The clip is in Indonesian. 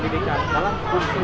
dunia ia dalam warga mount